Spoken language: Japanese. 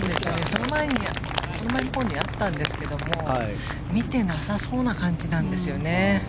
その前のほうにあったんですが見てなさそうな感じなんですね。